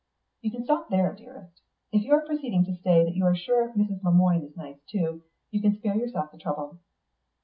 "You can stop there, dearest. If you are proceeding to say that you are sure Mrs. Le Moine is nice too, you can spare yourself the trouble."